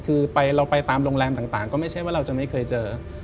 คือเราไปตามโรงแรมต่างก็ไม่ใช่ว่าเราจะไม่เคยเจอ